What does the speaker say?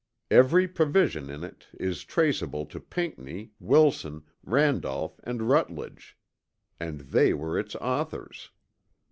Every provision in it is traceable to Pinckney, Wilson, Randolph and Rutledge, and they were its authors.